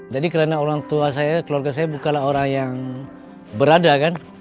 jadi karena orang tua saya keluarga saya bukanlah orang yang berada kan